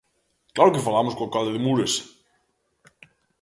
¡Claro que falamos co alcalde de Muras!